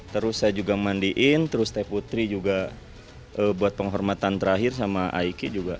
terus saya juga memandiin terus teputri juga buat penghormatan terakhir sama aiki juga